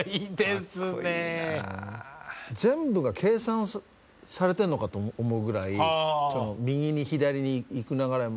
全部が計算されてるのかと思うぐらい右に左に行く流れも。